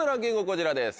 こちらです。